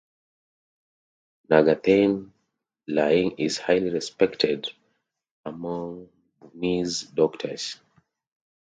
Naga Thein Hlaing is highly respected among Burmese doctors.